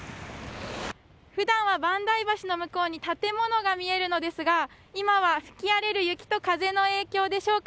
普段は橋の向こうに建物が見えるのですが今は吹き荒れる雪と風の影響でしょうか。